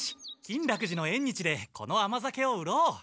金楽寺のえん日でこの甘酒を売ろう。